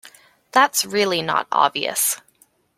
That’s really not obvious